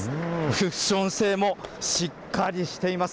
クッション性もしっかりしています。